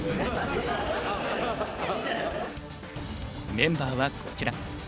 メンバーはこちら。